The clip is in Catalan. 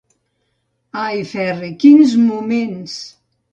Ai, Ferri, quins moments!